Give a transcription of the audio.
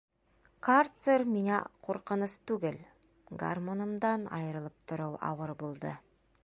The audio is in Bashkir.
Карцер миңә ҡурҡыныс түгел, гармунымдан айырылып тороу ауыр булды.